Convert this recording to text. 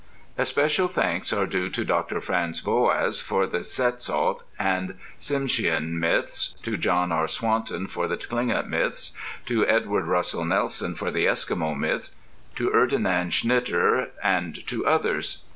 Especial thanks are due to Dr. Franz Boas for the Tsetsaut and Tsimshian myths, to John R. Swanton for the Tlingit myths, to Edward Russell Nelson for the Eskimo myths, to Ferdinand Schnitter, and to others.